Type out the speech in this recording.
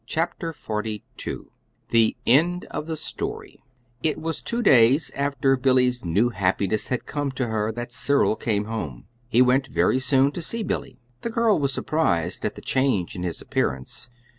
CHAPTER XLII THE "END OF THE STORY" It was two days after Billy's new happiness had come to her that Cyril came home. He went very soon to see Billy. The girl was surprised at the change in his appearance.